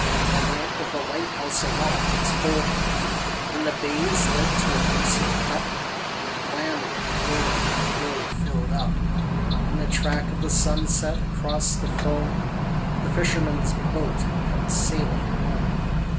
The lamp of the light house aloft is holden; When the bay is like to a lucent cup With glamor and glory and glow filled up. In the track of the sunset, across the foam. The fisherman's boat comes sailing home.